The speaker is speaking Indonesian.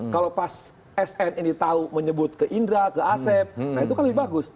kalau pas sn ini tahu menyebut ke indra ke asep nah itu kan lebih bagus